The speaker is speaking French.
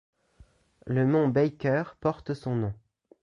Le mont Baker porte son nom.